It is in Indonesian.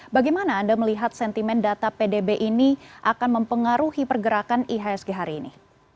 bagaimana anda melihat sentimen data pdb ini akan mempengaruhi pergerakan ihsg hari ini